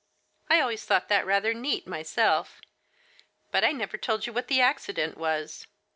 I always thought that rather neat my self. But I never told you what the accident was.